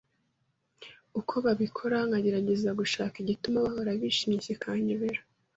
uko babikora nkagerageza gushaka igituma bahora bishimye kikanyobera